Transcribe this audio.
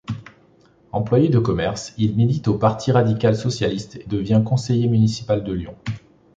Employé de commerce, il milite au Parti radical-socialiste et devient conseiller municipal de Lyon.